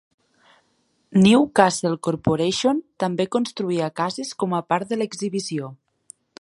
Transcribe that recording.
Newcastle Corporation també construïa cases com a part de l'exhibició.